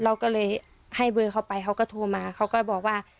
เราก็เลยให้เบอร์เขาไปเขาก็โทรมาเขาก็บอกว่า